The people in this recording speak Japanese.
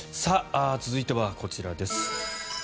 続いてはこちらです。